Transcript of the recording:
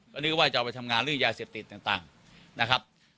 ก็นึกว่าจะเอาไปทำงานเรื่องยาเสพติดต่างนะครับ